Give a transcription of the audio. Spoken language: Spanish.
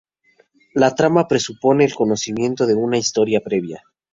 La trama presupone el conocimiento de una historia previa.